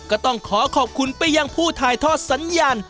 ก็ต้องขอขอบคุณไปยังผู้ถ่ายทอดสัญญาณ